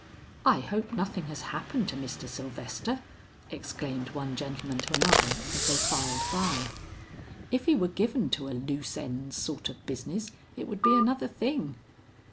"I hope nothing has happened to Mr. Sylvester," exclaimed one gentleman to another as they filed by. "If he were given to a loose ends' sort of business it would be another thing."